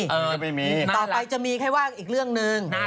ครับต่อไปจะมีแค่ว่าอีกเรื่องหนึ่ง